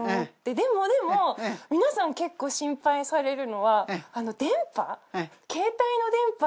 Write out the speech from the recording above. でもでも皆さん結構心配されるのは電波？